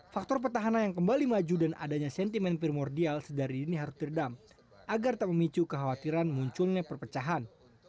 faktor petahana yang kembali maju dan adanya sentimen primordial sedari ini harus diredam agar tak memicu kekhawatiran munculnya perpecahan